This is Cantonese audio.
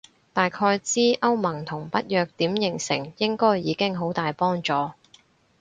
大概知歐盟同北約點形成應該已經好大幫助